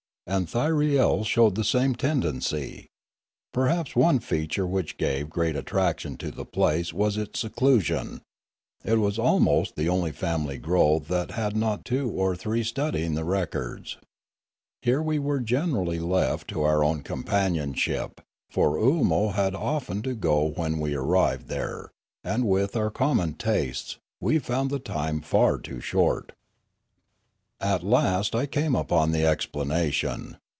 And Thyriel showed the same tendency. Perhaps one feature which gave great at traction to the place was its seclusion; it was almost 76 Limanora the only family grove that had not two or three study ing the records. Here we were generally left to our own companionship; for Oolmo had often to go when we arrived there; and, with our common tastes, we found the time far too short. At last I came upon the explanation.